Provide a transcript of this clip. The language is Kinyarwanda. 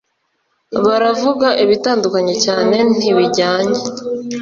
baravuga ibitandukanye cyane ntibijyanye